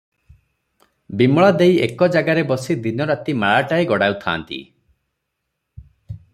ବିମଳା ଦେଈ ଏକ ଜାଗାରେ ବସି ଦିନ ରାତି ମାଳାଟିଏ ଗଡ଼ାଉଥାନ୍ତି ।